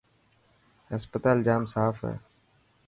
هسپتال ڄام صاف هي.